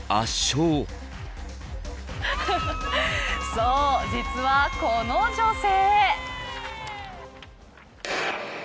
そう、実はこの女性。